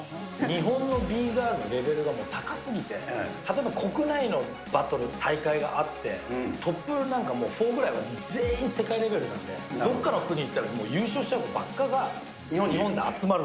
日本のビーガールのレベルがもう高すぎて、例えば国内のバトル、大会があって、トップ４ぐらいなんかは、全員世界レベルなんで、どこかの国に行ったら、優勝しちゃうのばっかが、日本で集まる。